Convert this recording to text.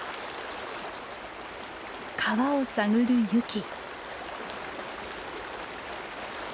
川を探るユキ。